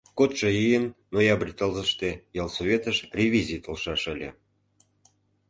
Кодшо ийын ноябрь тылзыште ялсоветыш ревизий толшаш ыле.